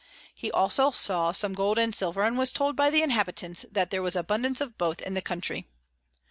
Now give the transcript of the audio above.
He also saw some Gold and Silver, and was told by the Inhabitants that there was abundance of both in the Country.